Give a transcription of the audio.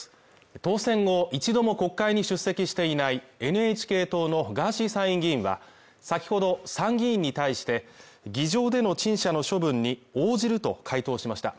当選後、一度も国会に出席していないＮＨＫ党のガーシー参院議員は先ほど参議院に対して議場での陳謝の処分に応じると回答しました。